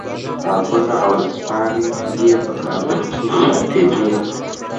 کتابونه او ورځپاڼې په کابل کې چاپېدې.